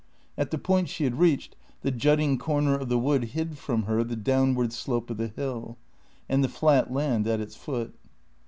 At the point she had reached, the jutting corner of the wood hid from her the downward slope of the hill, and the flat land at its foot.